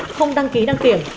không đăng ký đăng kiểm